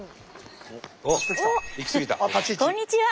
こんにちは。